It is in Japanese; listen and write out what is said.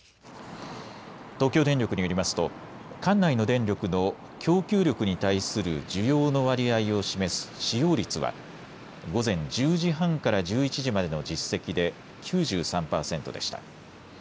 東京電力によりますと管内の電力の供給力に対する需要の割合を示す使用率は午前１０時半から１１時までの実績で９３％でした。